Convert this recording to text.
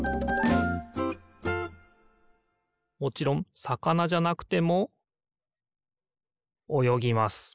もちろんさかなじゃなくてもおよぎます